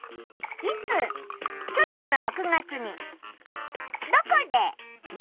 「いつ」去年の６月に。